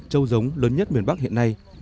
châu giống lớn nhất miền bắc hiện nay